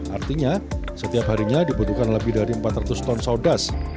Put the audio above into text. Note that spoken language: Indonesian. artinya setiap harinya dibutuhkan lebih dari empat ratus ton sodas